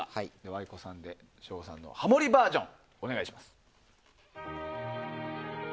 ａｉｋｏさんで省吾さんのハモリバージョン。